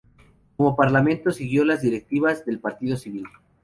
Como parlamentario siguió las directivas del Partido Civil.